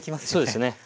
そうですね。